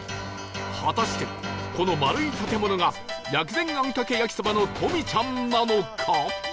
果たしてこの丸い建物が薬膳あんかけ焼きそばのとみちゃんなのか？